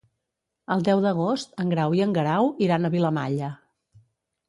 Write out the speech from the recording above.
El deu d'agost en Grau i en Guerau iran a Vilamalla.